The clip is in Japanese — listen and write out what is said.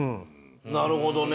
なるほどね。